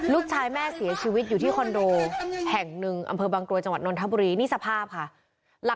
ลูกชายแม่เสียชีวิตอยู่ที่คอนโดแห่งหนึ่งอำเภอบางกรวยจังหวัดนนทบุรีนี่สภาพค่ะ